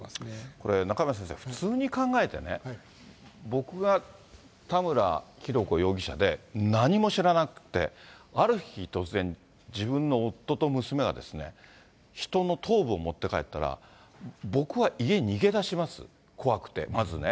これ中山先生、普通に考えてね、僕が田村浩子容疑者で、何も知らなくて、ある日突然、自分の夫と娘が人の頭部を持って帰ったら、僕は家逃げだします、怖くて、まずね。